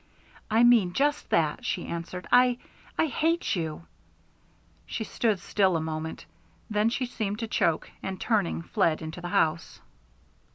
"I mean just that," she answered. "I I hate you." She stood still a moment; then she seemed to choke, and turning, fled into the house.